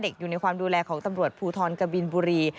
อยู่ในความดูแลของตำรวจภูทรกบินบุรี